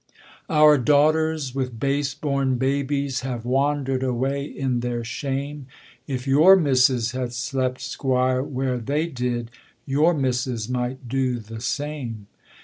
'Our daughters with base born babies Have wandered away in their shame, If your misses had slept, squire, where they did, Your misses might do the same.